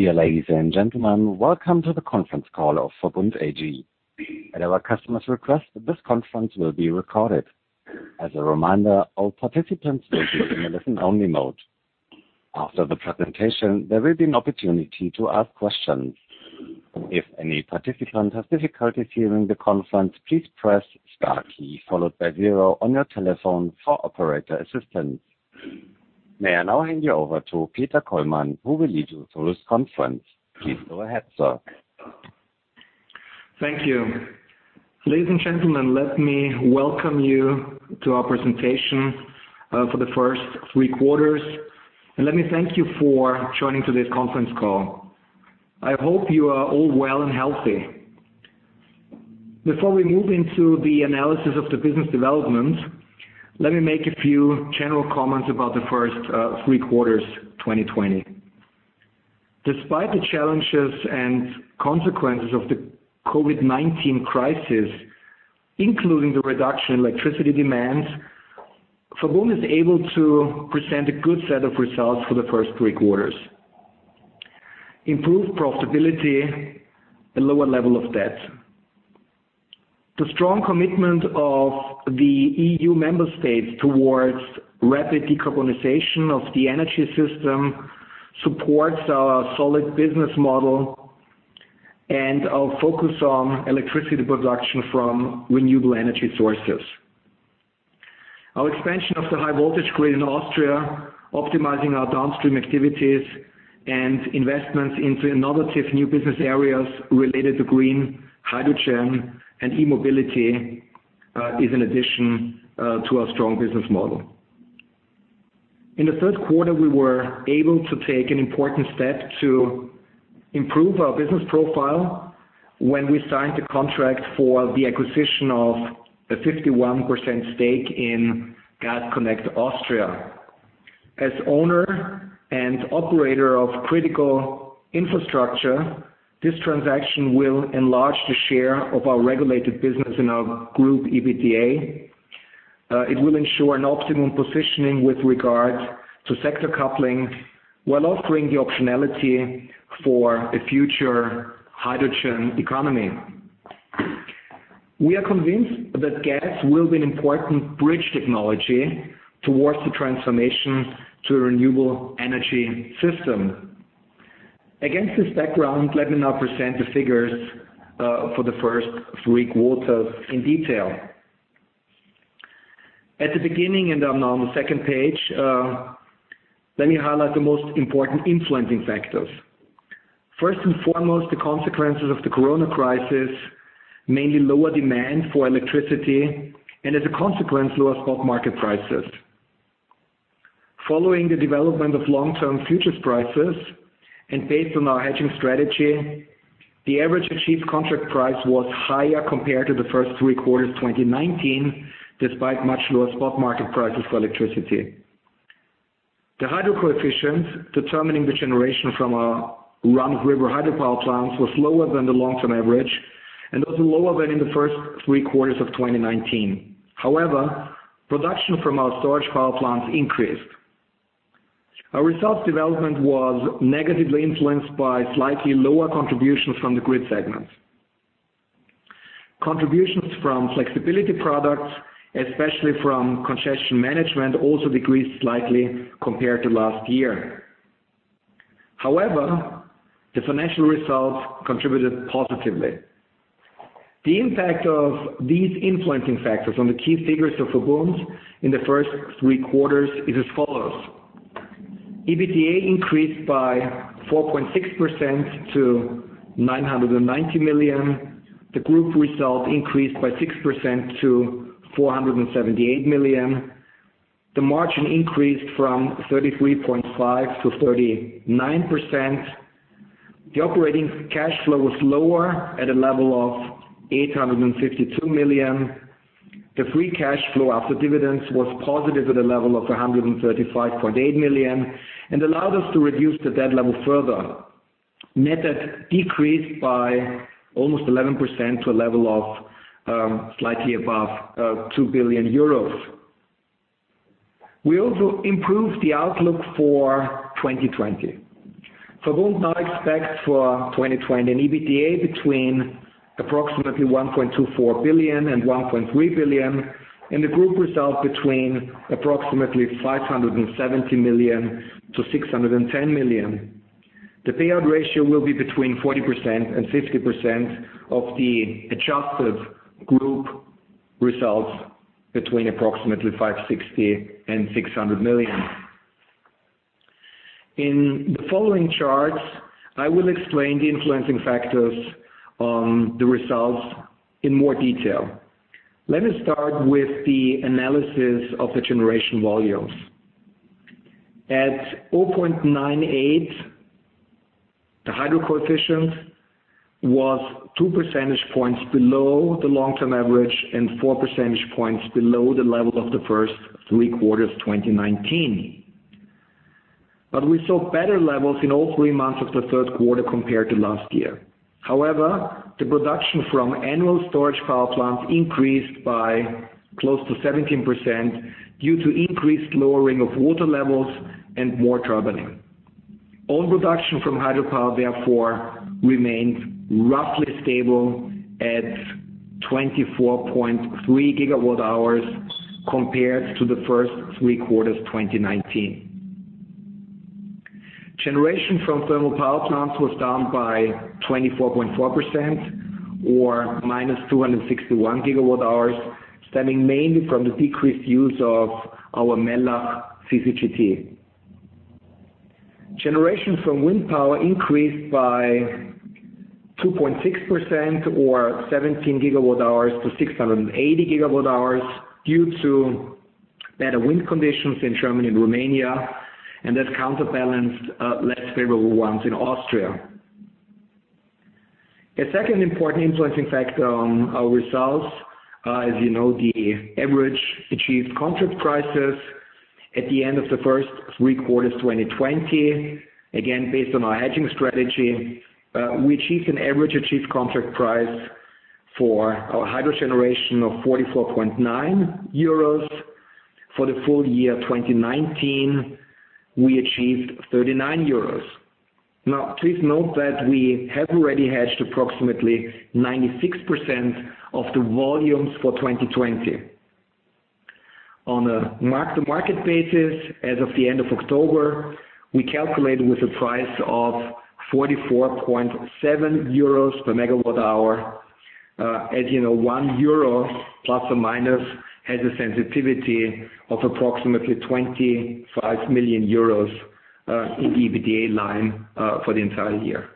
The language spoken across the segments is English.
Dear ladies and gentlemen, welcome to the conference call of VERBUND AG. At our customer's request, this conference will be recorded. As a reminder, all participants will be in listen-only mode. After the presentation, there will be an opportunity to ask questions. If any participant has difficulties hearing the conference, please press star key followed by zero on your telephone for operator assistance. May I now hand you over to Peter Kollmann, who will lead you through this conference. Please go ahead, sir. Thank you. Ladies and gentlemen, let me welcome you to our presentation for the first three quarters, and let me thank you for joining today's conference call. I hope you are all well and healthy. Before we move into the analysis of the business development, let me make a few general comments about the first three quarters 2020. Despite the challenges and consequences of the COVID-19 crisis, including the reduction in electricity demand, VERBUND is able to present a good set of results for the first three quarters, improved profitability and lower level of debt. The strong commitment of the E.U. member states towards rapid decarbonization of the energy system supports our solid business model and our focus on electricity production from renewable energy sources. Our expansion of the high voltage grid in Austria, optimizing our downstream activities and investments into innovative new business areas related to green hydrogen and e-mobility, is an addition to our strong business model. In the third quarter, we were able to take an important step to improve our business profile when we signed a contract for the acquisition of a 51% stake in Gas Connect Austria. As owner and operator of critical infrastructure, this transaction will enlarge the share of our regulated business in our group EBITDA. It will ensure an optimum positioning with regard to sector coupling, while offering the optionality for a future hydrogen economy. We are convinced that gas will be an important bridge technology towards the transformation to a renewable energy system. Against this background, let me now present the figures for the first three quarters in detail. At the beginning, and now on the second page, let me highlight the most important influencing factors. First and foremost, the consequences of the coronavirus crisis, mainly lower demand for electricity and as a consequence, lower spot market prices. Following the development of long-term futures prices and based on our hedging strategy, the average achieved contract price was higher compared to the first three quarters 2019, despite much lower spot market prices for electricity. The hydro coefficient determining the generation from our run-of-river hydropower plants was lower than the long-term average and also lower than in the first three quarters of 2019. Production from our storage power plants increased. Contributions from flexibility products, especially from congestion management, also decreased slightly compared to last year. The financial results contributed positively. The impact of these influencing factors on the key figures of VERBUND in the first three quarters is as follows. EBITDA increased by 4.6% to 990 million. The group result increased by 6% to 478 million. The margin increased from 33.5%-39%. The operating cash flow was lower at a level of 852 million. The free cash flow after dividends was positive at a level of 135.8 million and allowed us to reduce the debt level further. Net debt decreased by almost 11% to a level of slightly above 2 billion euros. We also improved the outlook for 2020. VERBUND now expects for 2020 an EBITDA between approximately 1.24 billion and 1.3 billion, and a group result between approximately 570 million-610 million. The payout ratio will be between 40% and 50% of the adjusted group results between approximately 560 million and 600 million. In the following charts, I will explain the influencing factors on the results in more detail. Let me start with the analysis of the generation volumes. At 0.98, the hydro coefficient was 2 percentage points below the long-term average and 4 percentage points below the level of the first three quarters 2019. We saw better levels in all three months of the third quarter compared to last year. However, the production from annual storage power plants increased by close to 17% due to increased lowering of water levels and more traveling. All production from hydropower therefore remained roughly stable at 24.3 TWh compared to the first three quarters 2019. Generation from thermal power plants was down by 24.4% or -261 GWh, stemming mainly from the decreased use of our Mellach CCGT. Generation from wind power increased by 2.6% or 17 GWh to 680 GWh due to better wind conditions in Germany and Romania. That counterbalanced less favorable ones in Austria. A second important influencing factor on our results, as you know, the average achieved contract prices at the end of the first three quarters 2020, again, based on our hedging strategy, we achieved an average achieved contract price for our hydro generation of 44.9 euros. For the full year 2019, we achieved 39 euros. Please note that we have already hedged approximately 96% of the volumes for 2020. On a mark-to-market basis, as of the end of October, we calculated with a price of 44.7 euros per MWh. As you know, 1 euro ± has a sensitivity of approximately 25 million euros in EBITDA line for the entire year.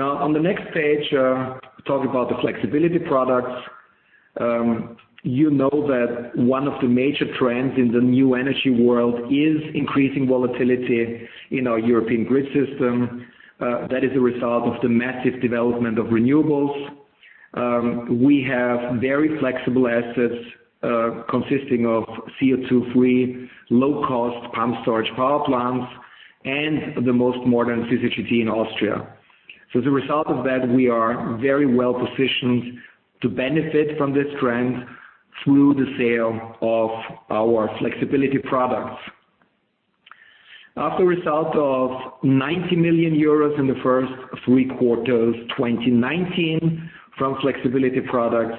On the next page, we talk about the flexibility products. You know that one of the major trends in the new energy world is increasing volatility in our European grid system. That is a result of the massive development of renewables. We have very flexible assets, consisting of CO2-free, low-cost pump storage power plants and the most modern CCGT in Austria. As a result of that, we are very well positioned to benefit from this trend through the sale of our flexibility products. As a result of 90 million euros in the first three quarters 2019 from flexibility products,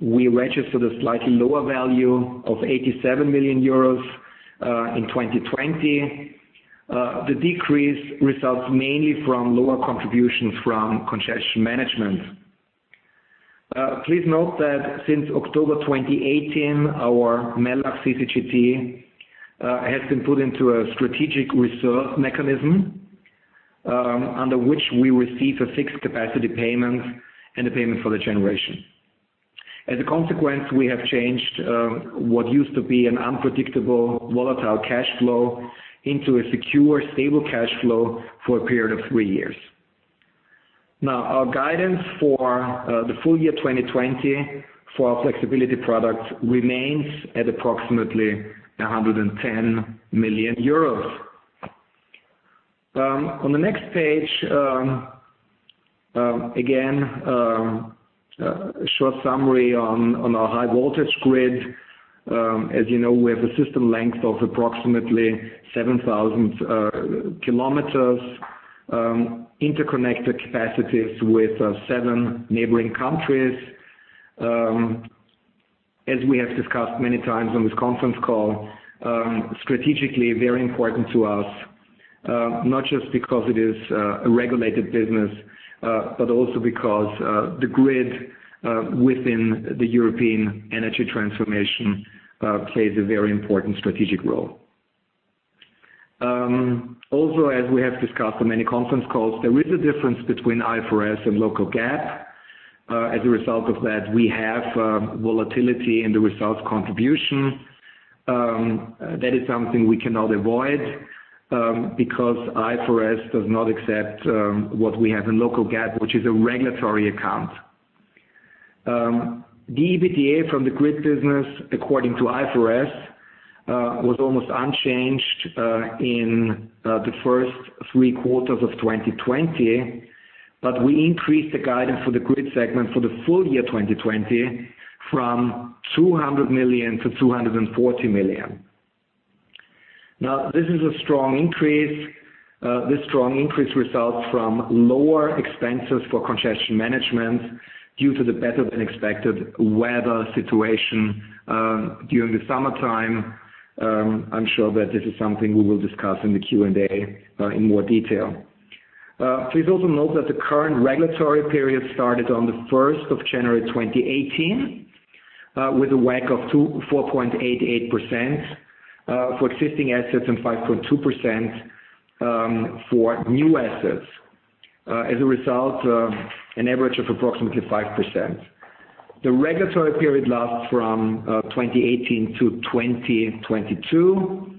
we registered a slightly lower value of 87 million euros in 2020. The decrease results mainly from lower contributions from congestion management. Please note that since October 2018, our Mellach CCGT has been put into a strategic reserve mechanism, under which we receive a fixed capacity payment and a payment for the generation. As a consequence, we have changed what used to be an unpredictable, volatile cash flow into a secure, stable cash flow for a period of three years. Now, our guidance for the full year 2020 for our flexibility products remains at approximately 110 million euros. On the next page, again, a short summary on our high voltage grid. As you know, we have a system length of approximately 7,000 km, interconnected capacities with seven neighboring countries. As we have discussed many times on this conference call, strategically very important to us, not just because it is a regulated business, but also because the grid within the European energy transformation plays a very important strategic role. As we have discussed on many conference calls, there is a difference between IFRS and local GAAP. As a result of that, we have volatility in the results contribution. That is something we cannot avoid, because IFRS does not accept what we have in local GAAP, which is a regulatory account. The EBITDA from the grid business according to IFRS, was almost unchanged in the first three quarters of 2020, but we increased the guidance for the grid segment for the full year 2020 from 200 million-240 million. This is a strong increase. This strong increase results from lower expenses for congestion management due to the better-than-expected weather situation during the summertime. I'm sure that this is something we will discuss in the Q&A in more detail. Please also note that the current regulatory period started on the 1st of January 2018, with a WACC of 4.88% for existing assets and 5.2% for new assets, an average of approximately 5%. The regulatory period lasts from 2018 to 2022.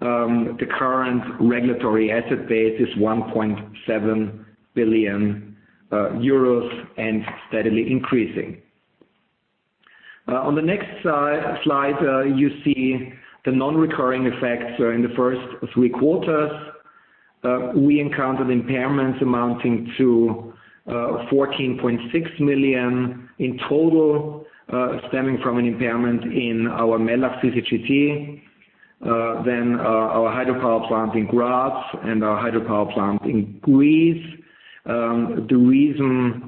The current regulatory asset base is 1.7 billion euros and steadily increasing. On the next slide, you see the non-recurring effects are in the first three quarters. We encountered impairments amounting to 14.6 million in total, stemming from an impairment in our Mellach CCGT, then our hydropower plant in Graz and our hydropower plant in Gries. The reason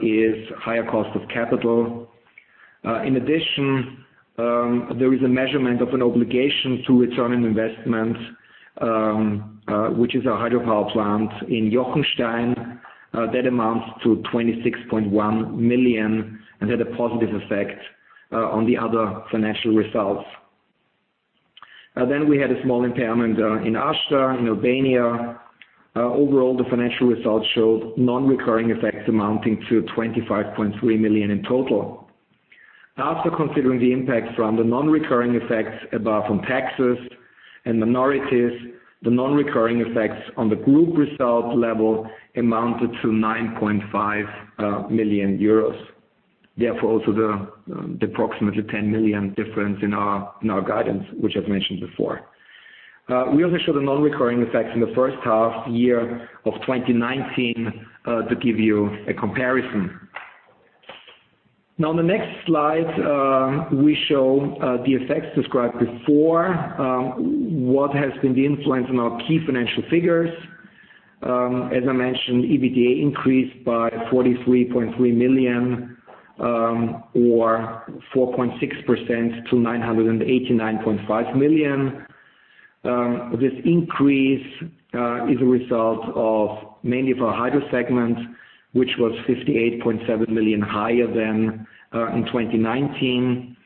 is higher cost of capital. There is a measurement of an obligation to returns on investment, which is our hydropower plant in Jochenstein, that amounts to 26.1 million and had a positive effect on the other financial results. We had a small impairment in Ashta in Albania. Overall, the financial results showed non-recurring effects amounting to 25.3 million in total. After considering the impacts from the non-recurring effects above from taxes and minorities, the non-recurring effects on the group results level amounted to 9.5 million euros. Also the approximately 10 million difference in our guidance, which I've mentioned before. We also show the non-recurring effects in the first half year of 2019 to give you a comparison. On the next slide, we show the effects described before, what has been the influence on our key financial figures. As I mentioned, EBITDA increased by 43.3 million, or 4.6% to 989.5 million. This increase is a result of mainly of our Hydro segment, which was 58.7 million higher than in 2019.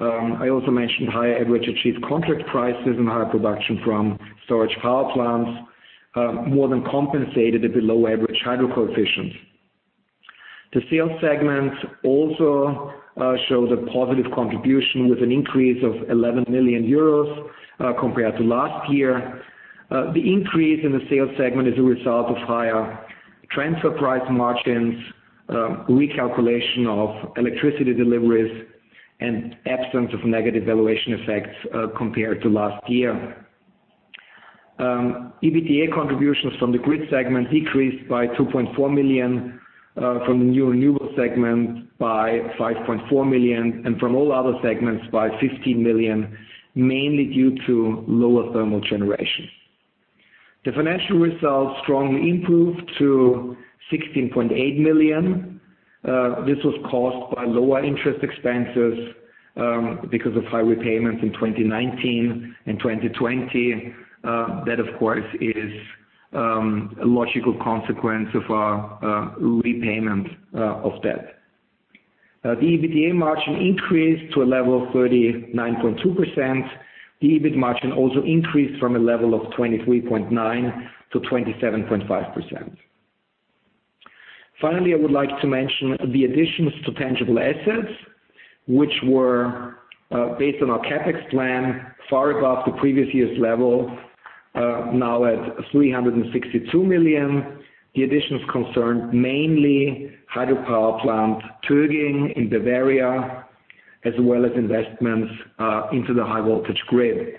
I also mentioned higher average achieved contract prices and higher production from storage power plants, more than compensated the below-average hydro coefficients. The sales segment also shows a positive contribution with an increase of 11 million euros compared to last year. The increase in the sales segment is a result of higher transfer price margins, recalculation of electricity deliveries, and absence of negative valuation effects compared to last year. EBITDA contributions from the grid segment decreased by 2.4 million from the new renewable segment by 5.4 million and from all other segments by 15 million, mainly due to lower thermal generation. The financial results strongly improved to 16.8 million. This was caused by lower interest expenses because of high repayments in 2019 and 2020. That, of course, is a logical consequence of our repayment of debt. The EBITDA margin increased to a level of 39.2%. The EBIT margin also increased from a level of 23.9%-27.5%. Finally, I would like to mention the additions to tangible assets, which were based on our CapEx plan far above the previous year's level, now at 362 million. The additions concerned mainly hydropower plant Töging in Bavaria, as well as investments into the high voltage grid.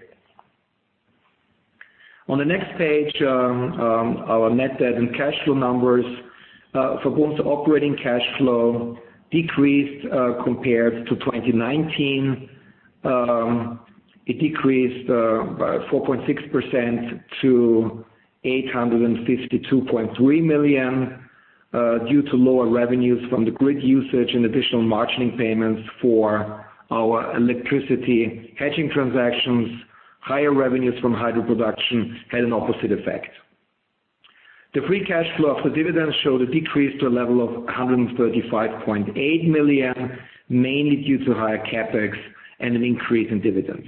On the next page, our net debt and cash flow numbers for VERBUND's operating cash flow decreased compared to 2019. It decreased by 4.6% to 852.3 million due to lower revenues from the grid usage and additional margining payments for our electricity hedging transactions. Higher revenues from hydro production had an opposite effect. The free cash flow after dividends showed a decrease to a level of 135.8 million, mainly due to higher CapEx and an increase in dividends.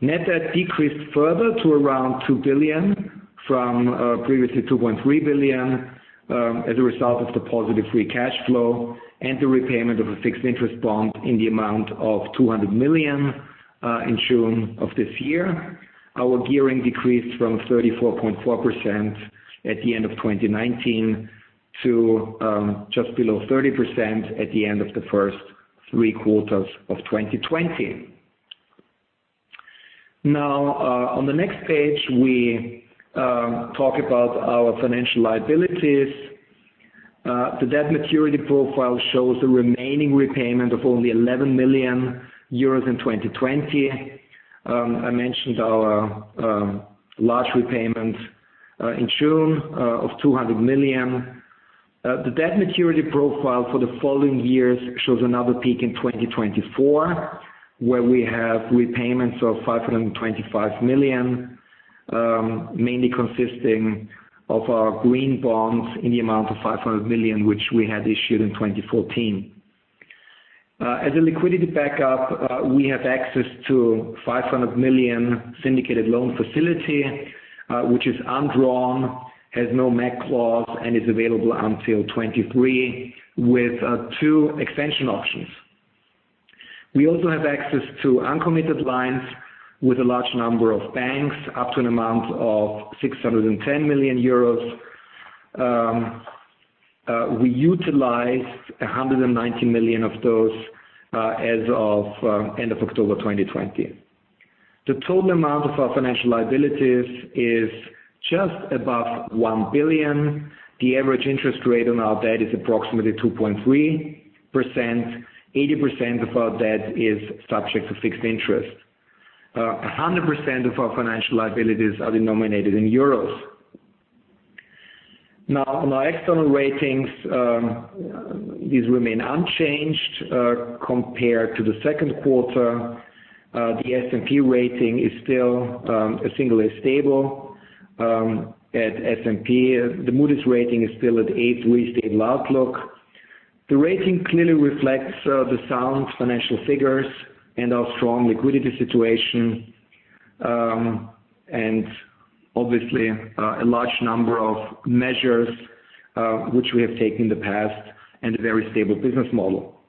Net debt decreased further to around 2 billion from previously 2.3 billion, as a result of the positive free cash flow and the repayment of a fixed interest bond in the amount of 200 million in June of this year. Our gearing decreased from 34.4% at the end of 2019 to just below 30% at the end of the first three quarters of 2020. Now, on the next page, we talk about our financial liabilities. The debt maturity profile shows a remaining repayment of only 11 million euros in 2020. I mentioned our large repayment in June of 200 million. The debt maturity profile for the following years shows another peak in 2024, where we have repayments of 525 million, mainly consisting of our green bonds in the amount of 500 million, which we had issued in 2014. As a liquidity backup, we have access to 500 million syndicated loan facility, which is undrawn, has no MAC clause, and is available until 2023 with two extension options. We also have access to uncommitted lines with a large number of banks up to an amount of 610 million euros. We utilized 190 million of those as of end of October 2020. The total amount of our financial liabilities is just above 1 billion. The average interest rate on our debt is approximately 2.3%. 80% of our debt is subject to fixed interest. 100% of our financial liabilities are denominated in euros. Now, on our external ratings, these remain unchanged compared to the second quarter. The S&P rating is still a single A stable at S&P. The Moody's rating is still at A3 stable outlook. The rating clearly reflects the sound financial figures and our strong liquidity situation, and obviously, a large number of measures which we have taken in the past and a very stable business model.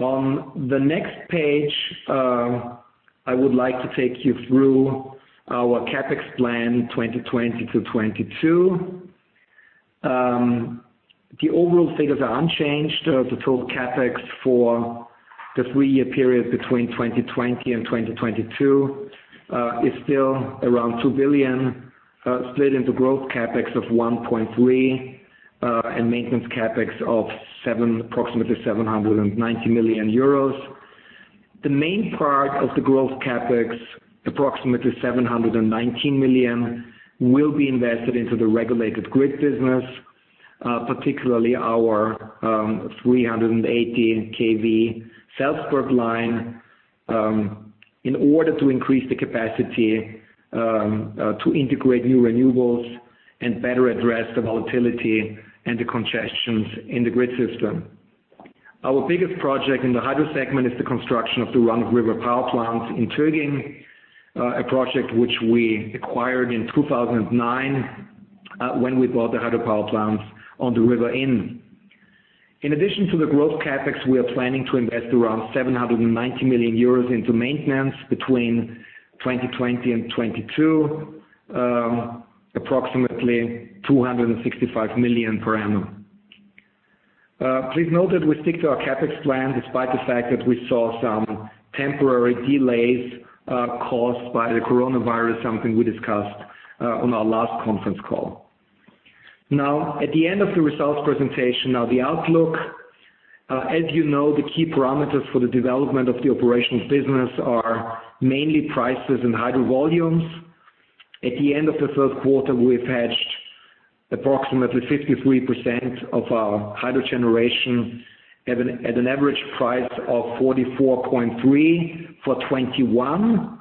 On the next page, I would like to take you through our CapEx plan 2020 to 2022. The overall figures are unchanged. The total CapEx for the three-year period between 2020 and 2022 is still around 2 billion, split into growth CapEx of 1.3 billion and maintenance CapEx of approximately 790 million euros. The main part of the growth CapEx, approximately 719 million, will be invested into the regulated grid business, particularly our 380 kV Salzburg line, in order to increase the capacity to integrate new renewables and better address the volatility and the congestions in the grid system. Our biggest project in the Hydro segment is the construction of the run-of-river power plants in Töging, a project which we acquired in 2009 when we bought the hydropower plants on the River Inn. In addition to the growth CapEx, we are planning to invest around 790 million euros into maintenance between 2020 and 2022, approximately 265 million per annum. Please note that we stick to our CapEx plan despite the fact that we saw some temporary delays caused by the COVID-19, something we discussed on our last conference call. Now, at the end of the results presentation are the outlook. As you know, the key parameters for the development of the operations business are mainly prices and hydro volumes. At the end of the third quarter, we've hedged approximately 53% of our hydro generation at an average price of 44.3 for 2021,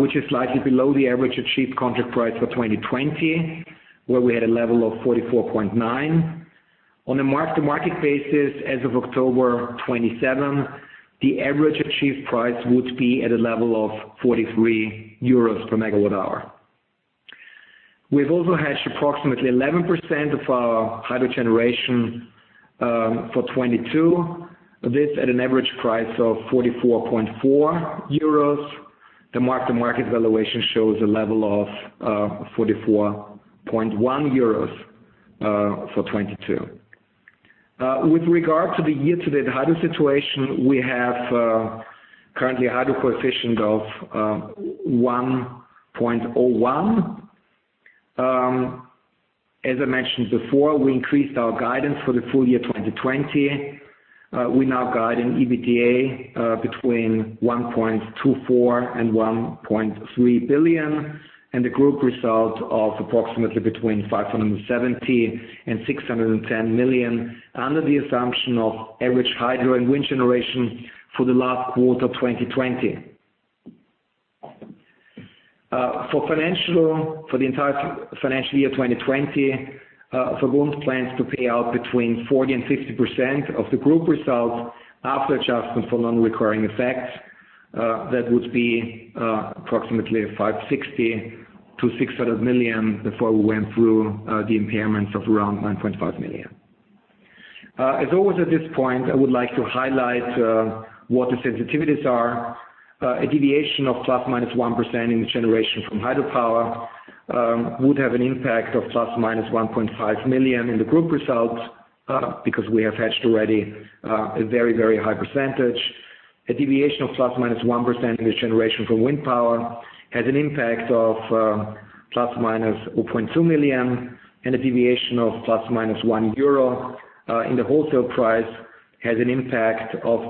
which is slightly below the average achieved contract price for 2020, where we had a level of 44.9. On a mark-to-market basis as of October 27, the average achieved price would be at a level of 43 euros per megawatt hour. We've also hedged approximately 11% of our hydro generation for 2022. This at an average price of 44.4 euros. The mark-to-market valuation shows a level of 44.1 euros for 2022. With regard to the year-to-date hydro situation, we have currently a hydro coefficient of 1.01. As I mentioned before, we increased our guidance for the full year 2020. We're now guiding EBITDA between 1.24 billion and 1.3 billion, and the group result of approximately between 570 million and 610 million under the assumption of average hydro and wind generation for the last quarter 2020. For the entire financial year 2020, VERBUND plans to pay out between 40% and 50% of the group result after adjustment for non-recurring effects. That would be approximately 560 million-600 million before we went through the impairments of around 9.5 million. As always at this point, I would like to highlight what the sensitivities are. A deviation of ±1% in the generation from hydropower would have an impact of ±1.5 million in the group results because we have hedged already a very high percentage. A deviation of ±1% in the generation from wind power has an impact of ±0.2 million, and a deviation of ±1 euro in the wholesale price has an impact of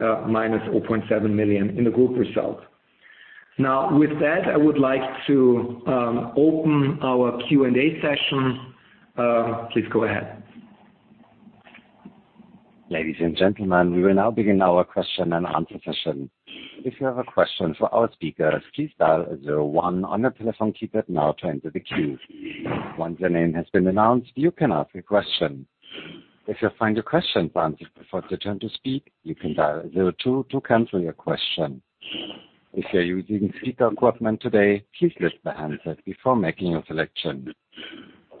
±0.7 million in the group result. Now, with that, I would like to open our Q&A session. Please go ahead. Ladies and gentlemen, we will now begin our question-and-answer session. if you have a question for our speaker please dial zero one on your telephone keypad now to enter the queue. Once your name has been announced, you can ask your question. If you find the question wanted before your turn to speak you can dial zero two to cancel the question. If you're using speaker equipment today please lift the handset before making a selection.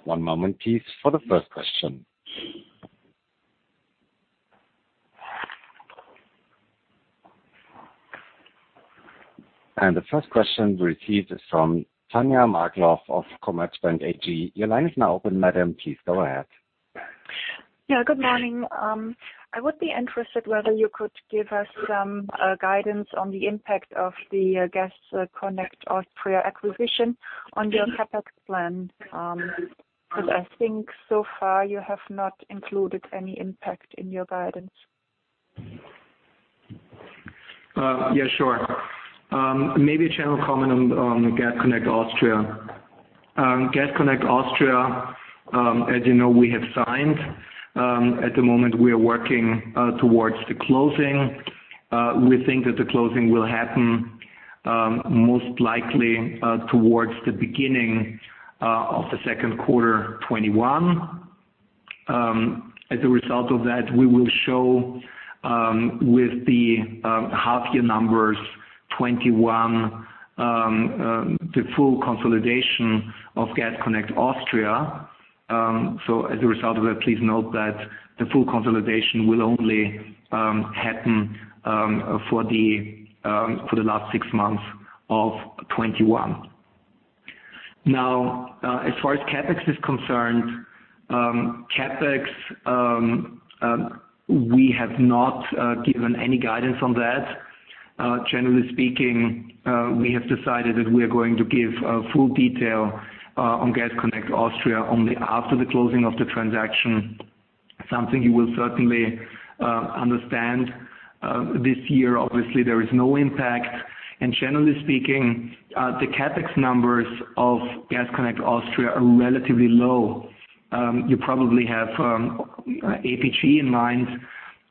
One moment please for the first question. The first question received is from Tanja Markloff of Commerzbank AG. Your line is now open, madam. Please go ahead. Yeah, good morning. I would be interested whether you could give us some guidance on the impact of the Gas Connect Austria acquisition on your CapEx plan. I think so far you have not included any impact in your guidance. Yeah, sure. Maybe a general comment on Gas Connect Austria. Gas Connect Austria, as you know, we have signed. At the moment, we are working towards the closing. We think that the closing will happen most likely towards the beginning of the second quarter 2021. As a result of that, we will show with the half year numbers 2021, the full consolidation of Gas Connect Austria. As a result of that, please note that the full consolidation will only happen for the last six months of 2021. Now, as far as CapEx is concerned, we have not given any guidance on that. Generally speaking, we have decided that we are going to give full detail on Gas Connect Austria only after the closing of the transaction. Something you will certainly understand, this year, obviously there is no impact. Generally speaking, the CapEx numbers of Gas Connect Austria are relatively low. You probably have APG in mind,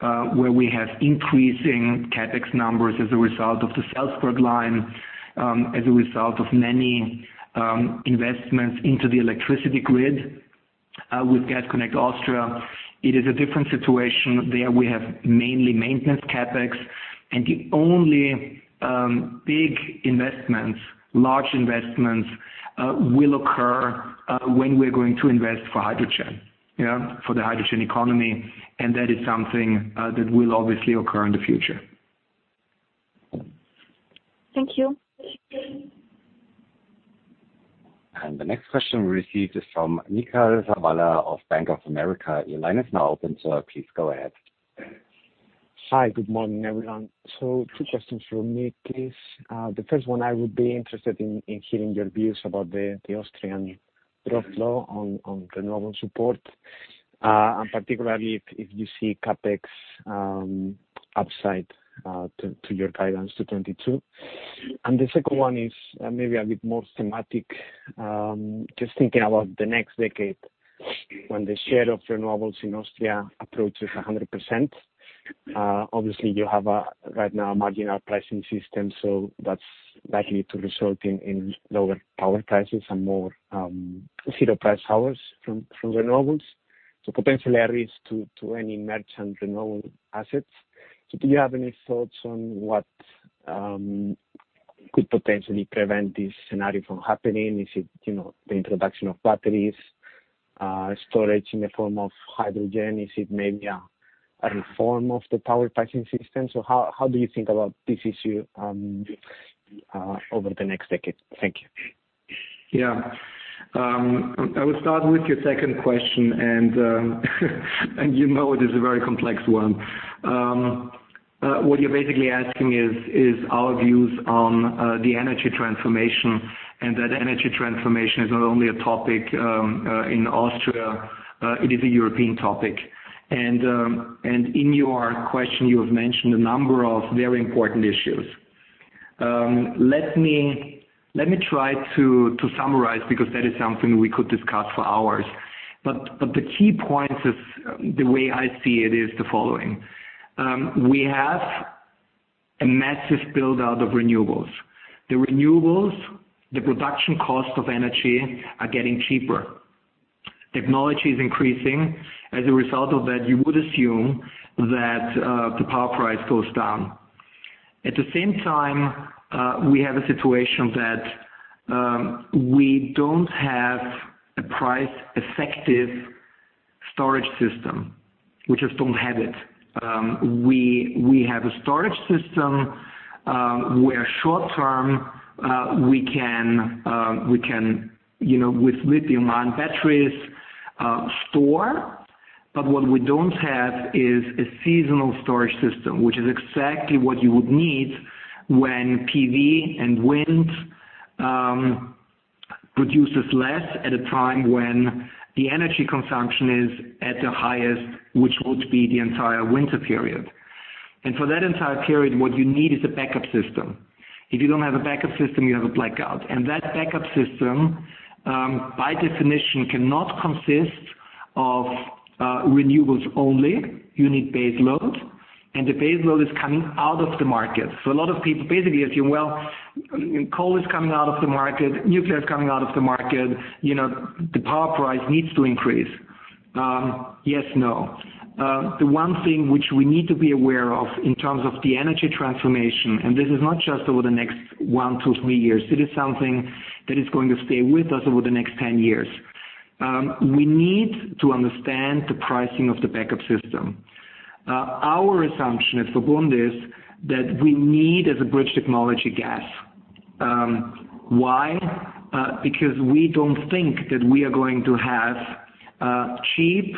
where we have increasing CapEx numbers as a result of the Salzburg line, as a result of many investments into the electricity grid. With Gas Connect Austria, it is a different situation. There we have mainly maintenance CapEx. The only big investments, large investments, will occur when we're going to invest for hydrogen. For the hydrogen economy, that is something that will obviously occur in the future. Thank you. The next question received is from Mikel Zabala of Bank of America. Your line is now open, sir. Please go ahead. Hi, good morning, everyone. Two questions from me, please. The first one, I would be interested in hearing your views about the Austrian draft law on renewable support. Particularly if you see CapEx upside to your guidance to 2022. The second one is maybe a bit more thematic. Just thinking about the next decade when the share of renewables in Austria approaches 100%. Obviously you have right now a marginal pricing system, that's likely to result in lower power prices and more zero price hours from renewables. Potential areas to any merchant renewable assets. Is it the introduction of batteries, storage in the form of hydrogen? Is it maybe a reform of the power pricing system? How do you think about this issue over the next decade? Thank you. Yeah. I will start with your second question, you know it is a very complex one. What you're basically asking is our views on the energy transformation, and that energy transformation is not only a topic in Austria, it is a European topic. In your question, you have mentioned a number of very important issues. Let me try to summarize, because that is something we could discuss for hours. The key points is, the way I see it, is the following. We have a massive build-out of renewables. The renewables, the production cost of energy are getting cheaper. Technology is increasing. As a result of that, you would assume that the power price goes down. At the same time, we have a situation that we don't have a price-effective storage system. We just don't have it. We have a storage system, where short term, we can with lithium-ion batteries store. What we don't have is a seasonal storage system, which is exactly what you would need when PV and wind produces less at a time when the energy consumption is at the highest, which would be the entire winter period. For that entire period, what you need is a backup system. If you don't have a backup system, you have a blackout. That backup system, by definition, cannot consist of renewables only. You need base load, and the base load is coming out of the market. A lot of people basically assume, well, coal is coming out of the market, nuclear is coming out of the market, the power price needs to increase. Yes, no. The one thing which we need to be aware of in terms of the energy transformation, this is not just over the next one, two, three years. It is something that is going to stay with us over the next 10 years. We need to understand the pricing of the backup system. Our assumption at VERBUND is that we need, as a bridge technology, gas. Why? We don't think that we are going to have cheap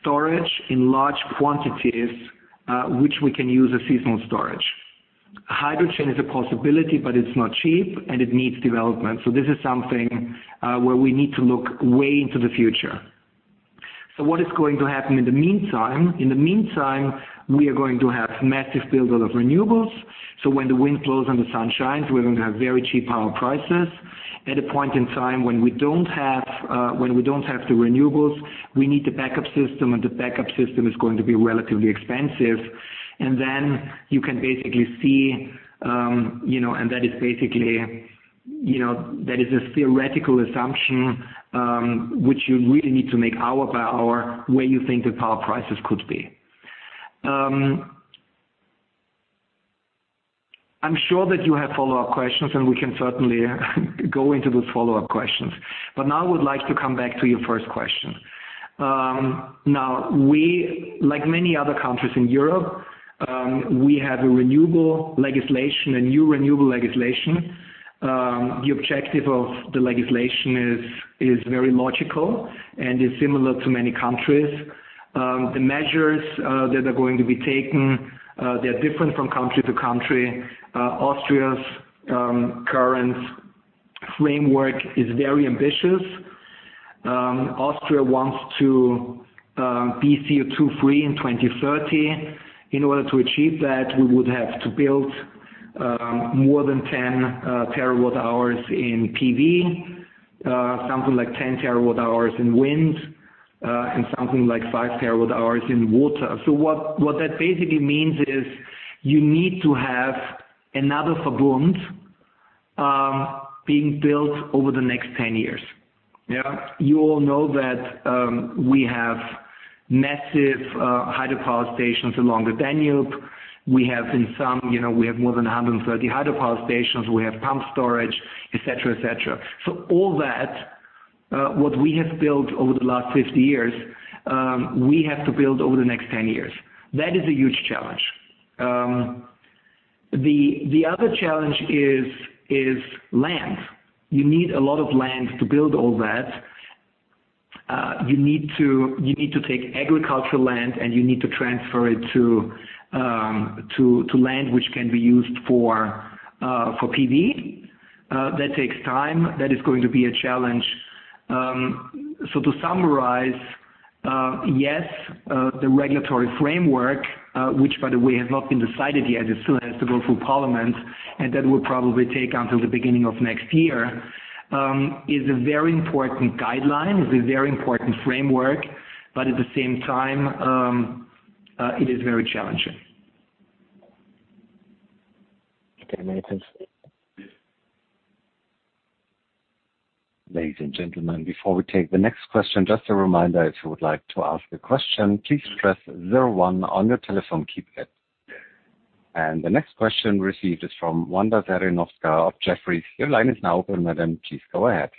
storage in large quantities, which we can use as seasonal storage. Hydrogen is a possibility, but it's not cheap, and it needs development. This is something where we need to look way into the future. What is going to happen in the meantime? In the meantime, we are going to have massive build of renewables. When the wind blows and the sun shines, we're going to have very cheap power prices. At a point in time when we don't have the renewables, we need the backup system, and the backup system is going to be relatively expensive. You can basically see, and that is a theoretical assumption, which you really need to make hour by hour, where you think the power prices could be. I'm sure that you have follow-up questions, and we can certainly go into those follow-up questions, but now I would like to come back to your first question. We, like many other countries in Europe, we have a new renewable legislation. The objective of the legislation is very logical and is similar to many countries. The measures that are going to be taken, they're different from country to country. Austria's current framework is very ambitious. Austria wants to be CO2 free in 2030. In order to achieve that, we would have to build more than 10 terawatt hours in PV, something like 10 terawatt hours in wind, and something like five terawatt hours in water. What that basically means is you need to have another VERBUND being built over the next 10 years. You all know that we have massive hydropower stations along the Danube. We have more than 130 hydropower stations. We have pump storage, et cetera. All that, what we have built over the last 50 years, we have to build over the next 10 years. That is a huge challenge. The other challenge is land. You need a lot of land to build all that. You need to take agricultural land, and you need to transfer it to land which can be used for PV. That takes time. That is going to be a challenge. To summarize, yes, the regulatory framework, which by the way, has not been decided yet, it still has to go through parliament, and that will probably take until the beginning of next year, is a very important guideline, is a very important framework, but at the same time, it is very challenging. Okay, thanks. Ladies and gentlemen, before we take the next question, just a reminder, if you would like to ask a question, please press 01 on your telephone keypad. The next question received is from Wanda Serwinowska of Credit Suisse. Your line is now open, madam. Please go ahead.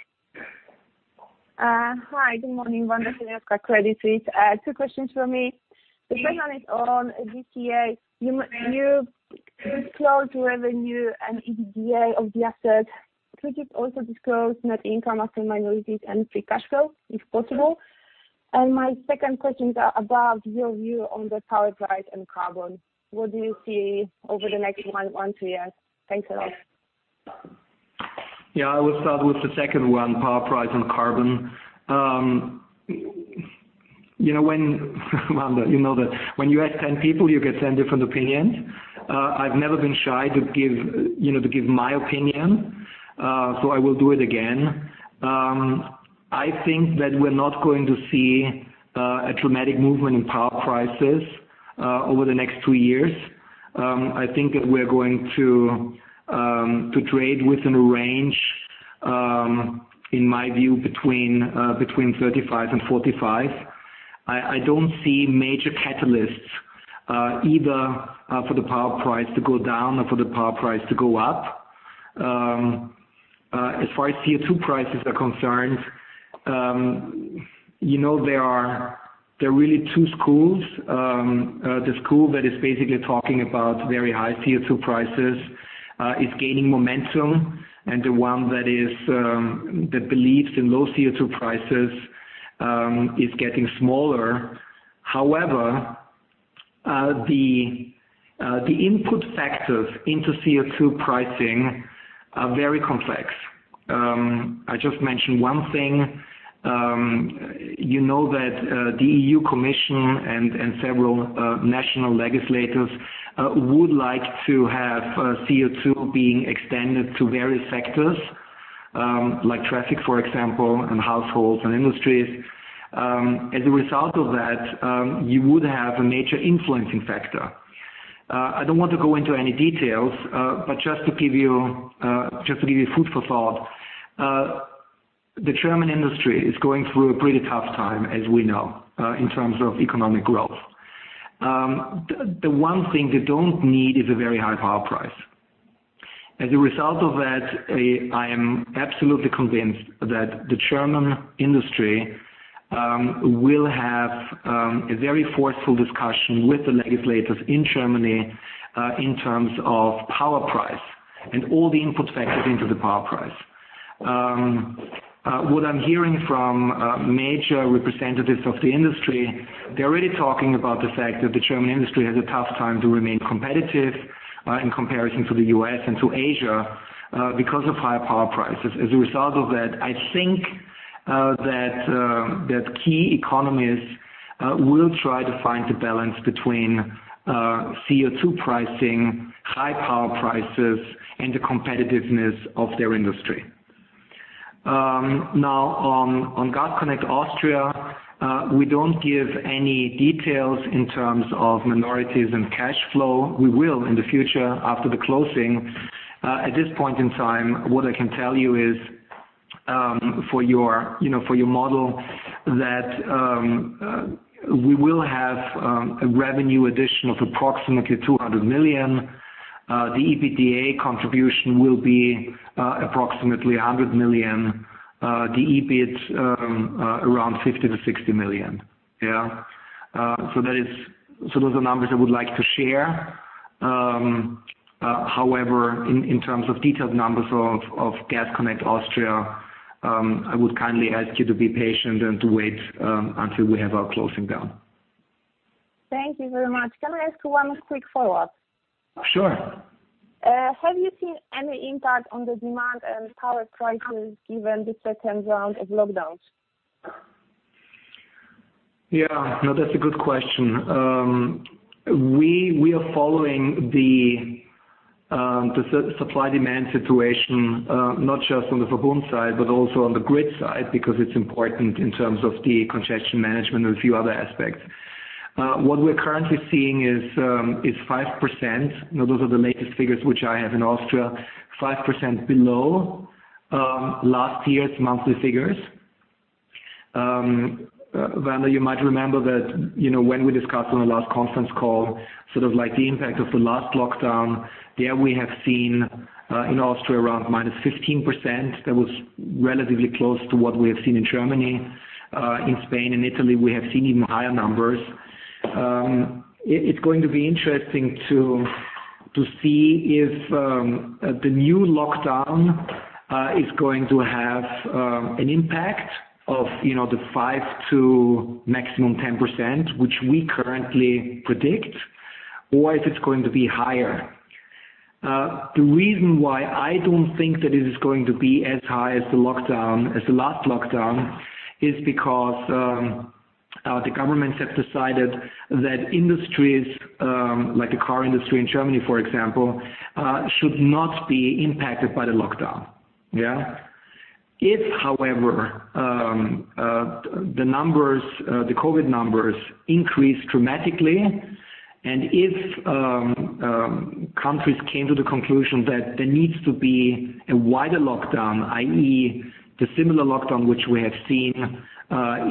Hi, good morning. Wanda Serwinowska, Credit Suisse. Two questions from me. The first one is on GCA. You disclosed revenue and EBITDA of the asset. Could you also disclose net income after minorities and free cash flow, if possible? My second question is about your view on the power price and carbon. What do you see over the next one, two years? Thanks a lot. Yeah, I will start with the second one, power price and carbon. Wanda, you know that when you ask 10 people, you get 10 different opinions. I've never been shy to give my opinion, so I will do it again. I think that we're not going to see a dramatic movement in power prices over the next two years. I think that we're going to trade within a range, in my view, between 35 and 45. I don't see major catalysts either for the power price to go down or for the power price to go up. As far as CO2 prices are concerned, there are really two schools. The school that is basically talking about very high CO2 prices is gaining momentum, and the one that believes in low CO2 prices is getting smaller. However, the input factors into CO2 pricing are very complex. I just mention one thing. You know that the European Commission and several national legislators would like to have CO2 being extended to various sectors, like traffic for example, and households and industries. As a result of that, you would have a major influencing factor. I don't want to go into any details, but just to give you food for thought, the German industry is going through a pretty tough time as we know, in terms of economic growth. The one thing they don't need is a very high power price. As a result of that, I am absolutely convinced that the German industry will have a very forceful discussion with the legislators in Germany in terms of power price and all the input factors into the power price. What I'm hearing from major representatives of the industry, they're already talking about the fact that the German industry has a tough time to remain competitive in comparison to the U.S. and to Asia because of higher power prices. As a result of that, I think that key economies will try to find the balance between CO2 pricing, high power prices, and the competitiveness of their industry. On Gas Connect Austria, we don't give any details in terms of minorities and cash flow. We will in the future after the closing. At this point in time, what I can tell you is, for your model, that we will have a revenue addition of approximately 200 million. The EBITDA contribution will be approximately 100 million. The EBIT, around 50 million-60 million. Yeah. Those are numbers I would like to share. In terms of detailed numbers of Gas Connect Austria, I would kindly ask you to be patient and to wait until we have our closing down. Thank you very much. Can I ask one quick follow-up? Sure. Have you seen any impact on the demand and power prices given the second round of lockdowns? Yeah. No, that's a good question. We are following the supply-demand situation, not just on the VERBUND side, but also on the grid side, because it's important in terms of the congestion management and a few other aspects. Those are the latest figures which I have in Austria, 5% below last year's monthly figures. Wanda, you might remember that, when we discussed on the last conference call the impact of the last lockdown, there we have seen in Austria around -15%. That was relatively close to what we have seen in Germany. In Spain and Italy, we have seen even higher numbers. It's going to be interesting to see if the new lockdown is going to have an impact of the 5% to maximum 10%, which we currently predict, or if it's going to be higher. The reason why I don't think that it is going to be as high as the last lockdown is because the governments have decided that industries, like the car industry in Germany, for example, should not be impacted by the lockdown. Yeah. If, however, the COVID numbers increase dramatically and if countries came to the conclusion that there needs to be a wider lockdown, i.e., the similar lockdown which we have seen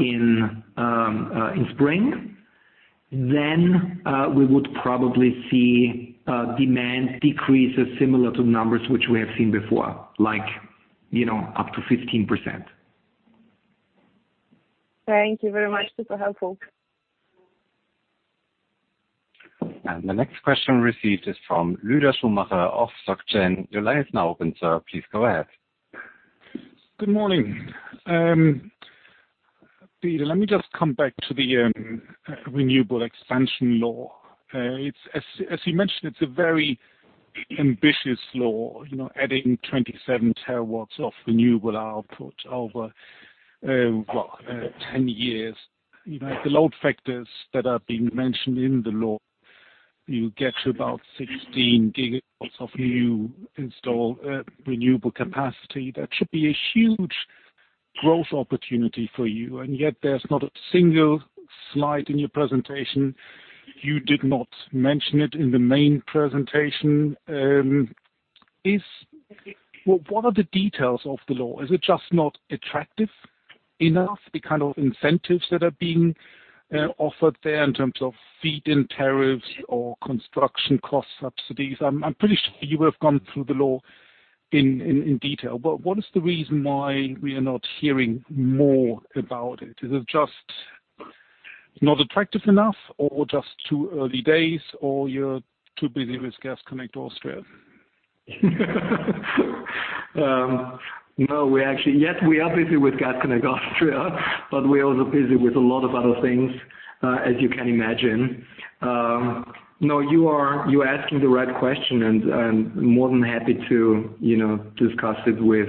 in spring, then we would probably see demand decreases similar to numbers which we have seen before, like up to 15%. Thank you very much. Super helpful. The next question received is from Lueder Schumacher of SocGen. Your line is now open, sir. Please go ahead. Good morning. Peter, let me just come back to the renewable expansion law. As you mentioned, it is a very ambitious law, adding 27 TW of renewable output over, well, 10 years. The load factors that are being mentioned in the law, you get to about 16 GW of new installed renewable capacity. That should be a huge growth opportunity for you, yet there is not a single slide in your presentation. You did not mention it in the main presentation. What are the details of the law? Is it just not attractive enough, the kind of incentives that are being offered there in terms of feed-in tariffs or construction cost subsidies? I am pretty sure you have gone through the law in detail, what is the reason why we are not hearing more about it? Is it just not attractive enough, or just too early days, or you're too busy with Gas Connect Austria? Yes, we are busy with Gas Connect Austria, but we are also busy with a lot of other things, as you can imagine. You are asking the right question, I'm more than happy to discuss it with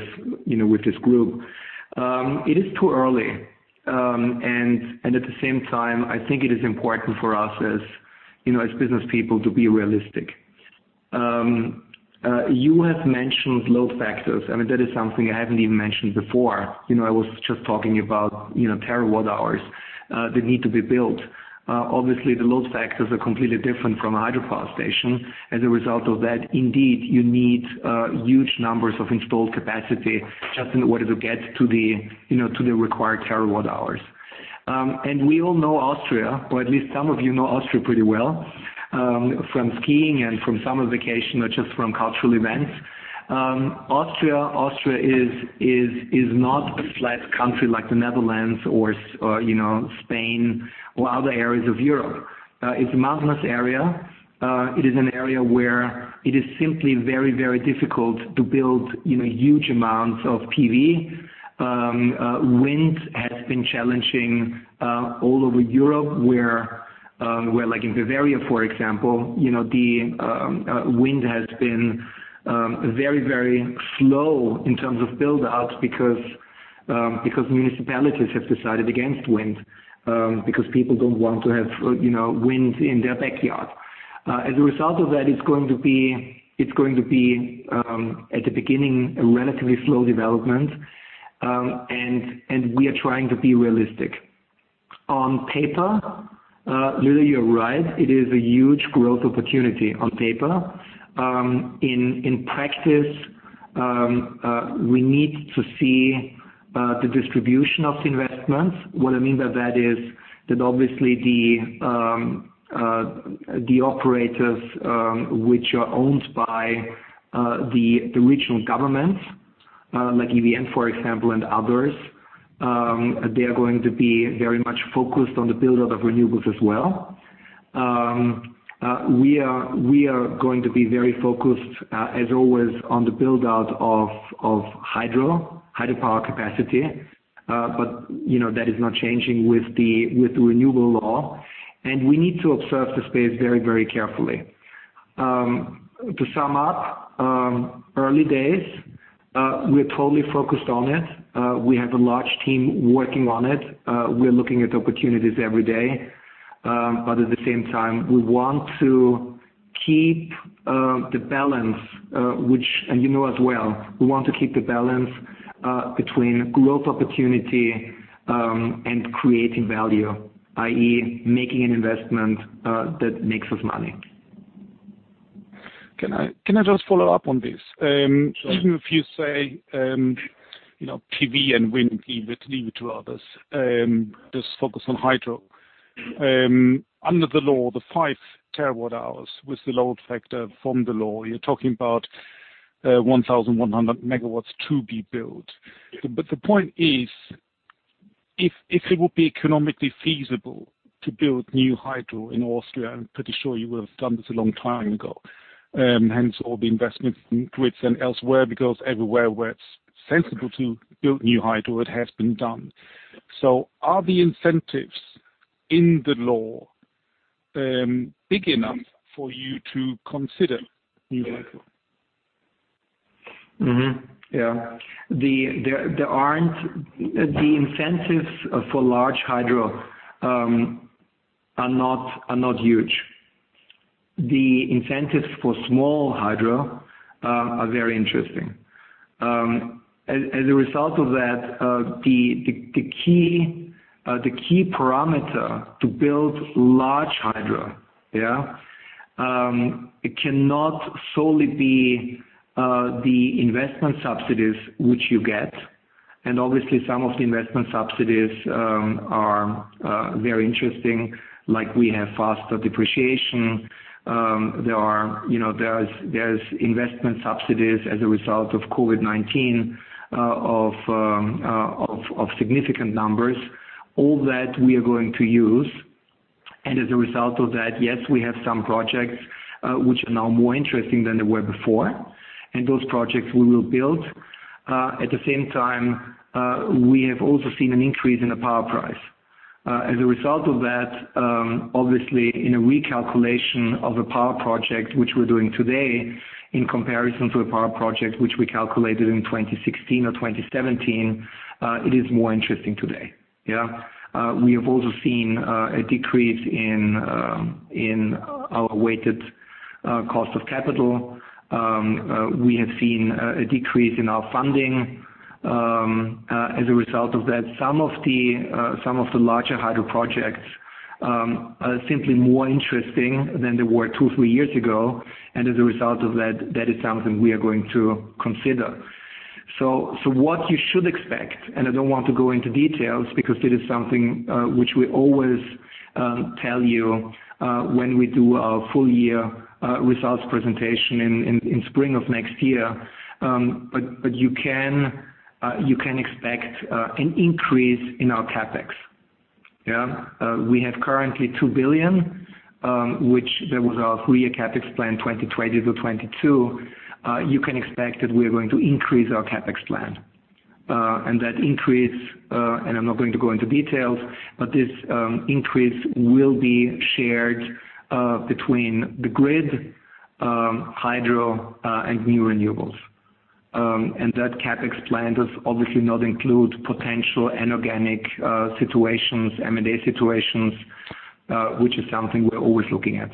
this group. It is too early, at the same time, I think it is important for us as business people to be realistic. You have mentioned load factors. That is something I haven't even mentioned before. I was just talking about terawatt hours that need to be built. Obviously, the load factors are completely different from a hydropower station. As a result of that, indeed, you need huge numbers of installed capacity just in order to get to the required terawatt hours. We all know Austria, or at least some of you know Austria pretty well, from skiing and from summer vacation, or just from cultural events. Austria is not a flat country like the Netherlands or Spain or other areas of Europe. It's a mountainous area. It is an area where it is simply very difficult to build huge amounts of PV. Wind has been challenging all over Europe, where like in Bavaria, for example, the wind has been very slow in terms of build-out because municipalities have decided against wind, because people don't want to have wind in their backyard. As a result of that, it's going to be, at the beginning, a relatively slow development, and we are trying to be realistic. On paper, literally, you're right, it is a huge growth opportunity on paper. In practice, we need to see the distribution of the investments. What I mean by that is that obviously the operators which are owned by the regional governments, like EVN, for example, and others, they are going to be very much focused on the build-out of renewables as well. We are going to be very focused, as always, on the build-out of hydro, hydropower capacity. That is not changing with the renewable law, and we need to observe the space very carefully. To sum up, early days, we're totally focused on it. We have a large team working on it. We're looking at opportunities every day. At the same time, we want to keep the balance, which you know as well, we want to keep the balance between growth opportunity and creating value, i.e., making an investment that makes us money. Can I just follow up on this? Sure. Even if you say, PV and wind, leave it to others, just focus on hydro. Under the law, the 5 terawatt-hours was the load factor from the law. You're talking about 1,100 MW to be built. Yeah. The point is, if it would be economically feasible to build new hydro in Austria, I'm pretty sure you would have done this a long time ago, hence all the investments in grids and elsewhere, because everywhere where it's sensible to build new hydro, it has been done. Are the incentives in the law big enough for you to consider new hydro? Yeah. The incentives for large hydro are not huge. The incentives for small hydro are very interesting. The key parameter to build large hydro, it cannot solely be the investment subsidies which you get. Some of the investment subsidies are very interesting, like we have faster depreciation. There's investment subsidies as a result of COVID-19, of significant numbers. All that we are going to use, and as a result of that, yes, we have some projects which are now more interesting than they were before, and those projects we will build. At the same time, we have also seen an increase in the power price. Obviously, in a recalculation of a power project, which we're doing today, in comparison to a power project which we calculated in 2016 or 2017, it is more interesting today. We have also seen a decrease in our weighted cost of capital. We have seen a decrease in our funding. As a result of that, some of the larger hydro projects are simply more interesting than they were two, three years ago. As a result of that is something we are going to consider. What you should expect, and I don't want to go into details, because it is something which we always tell you when we do our full year results presentation in spring of next year. You can expect an increase in our CapEx. We have currently 2 billion, which there was a three-year CapEx plan, 2020 to 2022. You can expect that we are going to increase our CapEx plan. That increase, and I'm not going to go into details, but this increase will be shared between the grid, hydro, and new renewables. That CapEx plan does obviously not include potential anorganic situations, M&A situations, which is something we're always looking at.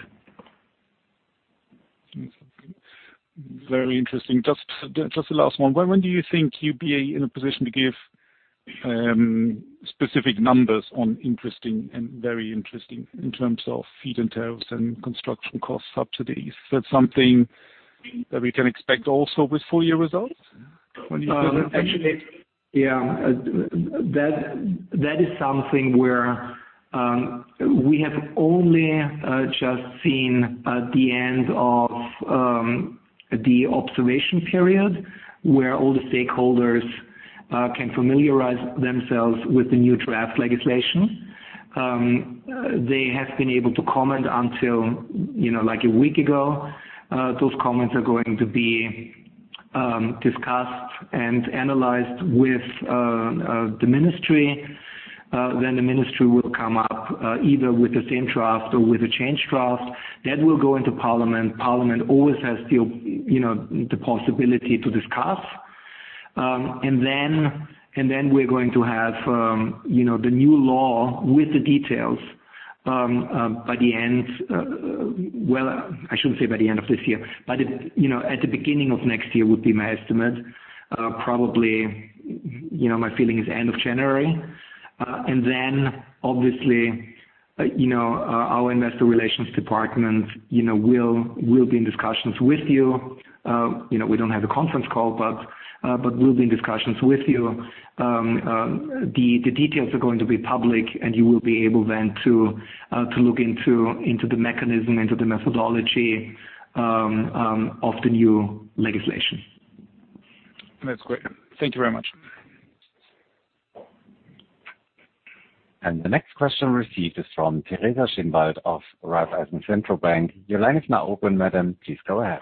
Very interesting. Just the last one. When do you think you'd be in a position to give specific numbers on interesting and very interesting in terms of feed-in tariffs and construction cost subsidies? Is that something that we can expect also with full year results? Actually, that is something where we have only just seen the end of the observation period, where all the stakeholders can familiarize themselves with the new draft legislation. They have been able to comment until a week ago. Those comments are going to be discussed and analyzed with the ministry. The ministry will come up, either with the same draft or with a changed draft. That will go into parliament. Parliament always has the possibility to discuss. We're going to have the new law with the details by the end, well, I shouldn't say by the end of this year, but at the beginning of next year would be my estimate. Probably, my feeling is end of January. Obviously, our investor relations department will be in discussions with you. We don't have a conference call, but we'll be in discussions with you. The details are going to be public, and you will be able then to look into the mechanism, into the methodology of the new legislation. That's great. Thank you very much. The next question received is from Teresa Schinwald of Raiffeisen Centrobank. Your line is now open, madam. Please go ahead.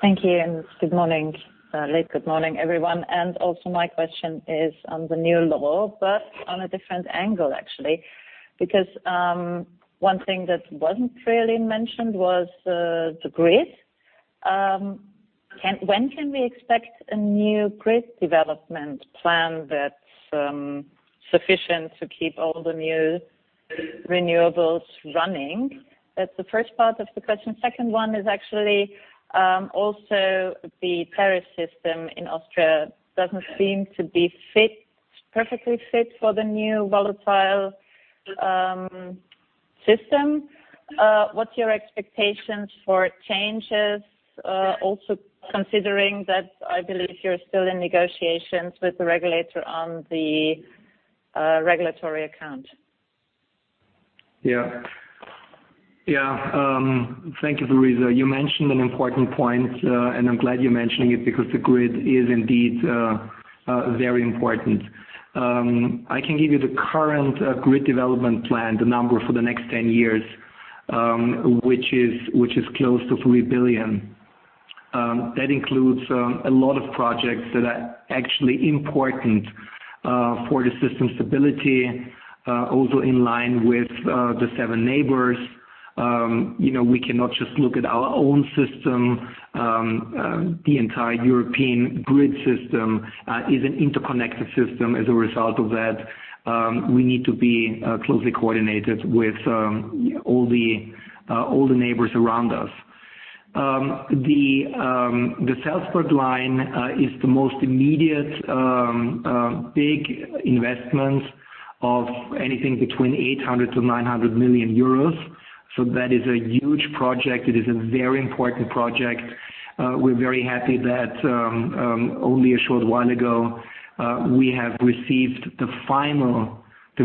Thank you. Good morning, late good morning, everyone. Also my question is on the new law, but on a different angle, actually. One thing that wasn't really mentioned was the grid. When can we expect a new grid development plan that's sufficient to keep all the new renewables running? That's the first part of the question. Second one is actually also the tariff system in Austria doesn't seem to be perfectly fit for the new volatile system. What's your expectations for changes? Also considering that I believe you're still in negotiations with the regulator on the regulatory account. Thank you, Teresa. You mentioned an important point, and I'm glad you're mentioning it because the grid is indeed very important. I can give you the current grid development plan, the number for the next 10 years, which is close to 3 billion. That includes a lot of projects that are actually important for the system stability, also in line with the seven neighbors. We cannot just look at our own system. The entire European grid system is an interconnected system. As a result of that, we need to be closely coordinated with all the neighbors around us. The Salzburg Line is the most immediate big investment of anything between 800 million-900 million euros. That is a huge project. It is a very important project. We're very happy that only a short while ago, we have received the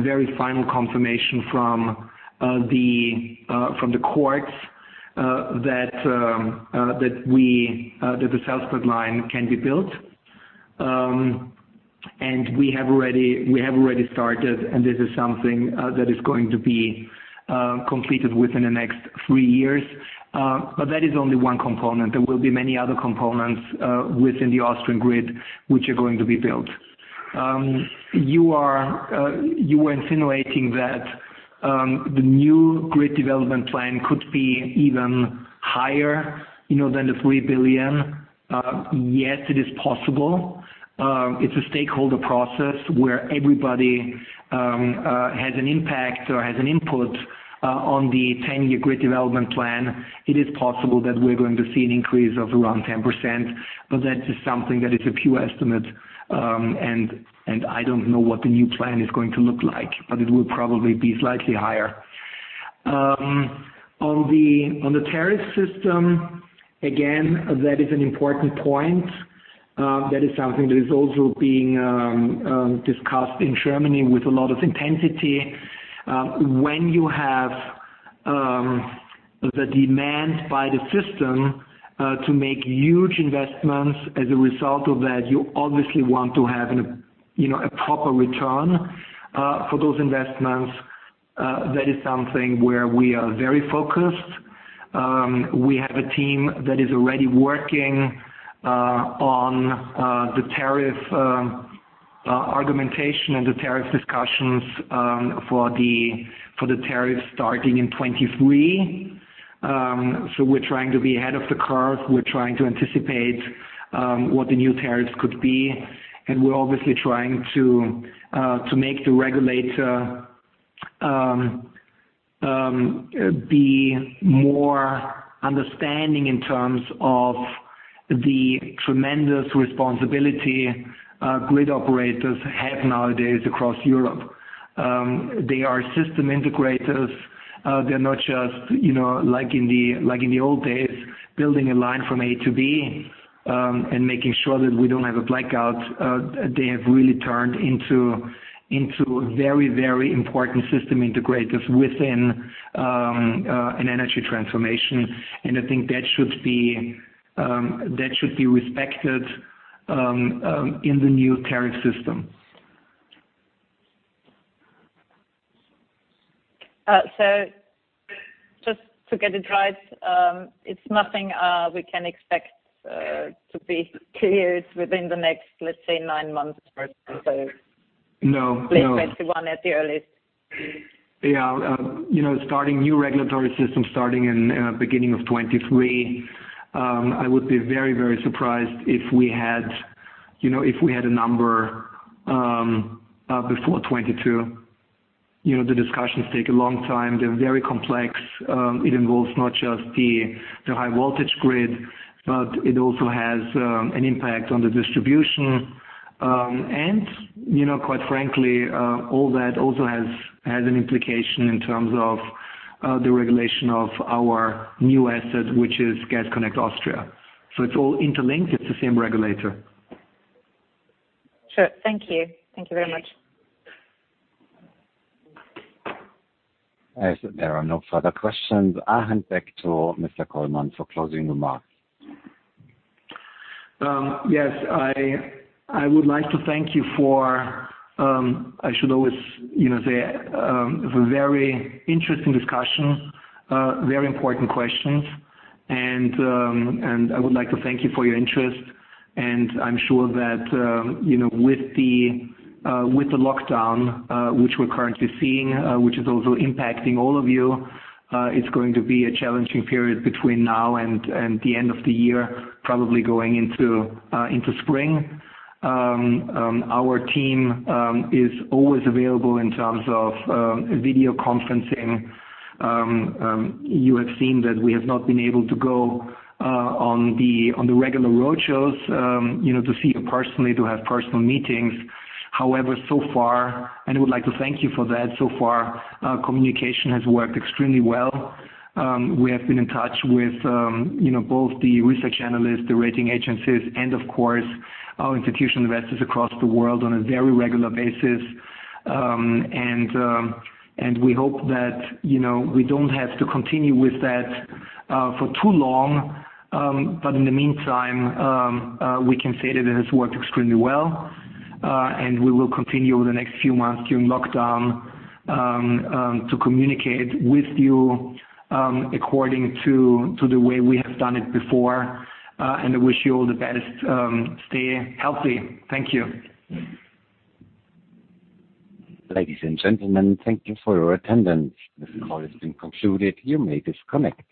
very final confirmation from the courts that the Salzburg line can be built. We have already started, and this is something that is going to be completed within the next three years. That is only one component. There will be many other components within the Austrian grid, which are going to be built. You were insinuating that the new grid development plan could be even higher than 3 billion. Yes, it is possible. It's a stakeholder process where everybody has an impact or has an input on the 10-year grid development plan. It is possible that we're going to see an increase of around 10%, but that is something that is a pure estimate, and I don't know what the new plan is going to look like, but it will probably be slightly higher. On the tariff system, again, that is an important point. That is something that is also being discussed in Germany with a lot of intensity. When you have the demand by the system to make huge investments, as a result of that, you obviously want to have a proper return for those investments. That is something where we are very focused. We have a team that is already working on the tariff argumentation and the tariff discussions for the tariff starting in 2023. We're trying to be ahead of the curve. We're trying to anticipate what the new tariffs could be, and we're obviously trying to make the regulator be more understanding in terms of the tremendous responsibility grid operators have nowadays across Europe. They are system integrators. They're not just, like in the old days, building a line from A to B, and making sure that we don't have a blackout. They have really turned into very important system integrators within an energy transformation. I think that should be respected in the new tariff system. Just to get it right, it's nothing we can expect to be cleared within the next, let's say, nine months or so. No. Late 2021 at the earliest. Yeah. Starting new regulatory systems starting in beginning of 2023. I would be very surprised if we had a number before 2022. The discussions take a long time. They're very complex. It involves not just the high voltage grid, but it also has an impact on the distribution. Quite frankly, all that also has an implication in terms of the regulation of our new asset, which is Gas Connect Austria. It's all interlinked. It's the same regulator. Sure. Thank you. Thank you very much. As there are no further questions, I hand back to Mr. Kollmann for closing remarks. I would like to thank you for, I should always say, it was a very interesting discussion, very important questions. I would like to thank you for your interest, and I'm sure that with the lockdown, which we're currently seeing, which is also impacting all of you, it's going to be a challenging period between now and the end of the year, probably going into spring. Our team is always available in terms of video conferencing. You have seen that we have not been able to go on the regular road shows to see you personally, to have personal meetings. However, so far, and I would like to thank you for that, so far communication has worked extremely well. We have been in touch with both the research analysts, the rating agencies, and of course, our institutional investors across the world on a very regular basis. We hope that we don't have to continue with that for too long. In the meantime, we can say that it has worked extremely well. We will continue over the next few months during lockdown to communicate with you according to the way we have done it before. I wish you all the best. Stay healthy. Thank you. Ladies and gentlemen, thank you for your attendance. This call has been concluded. You may disconnect.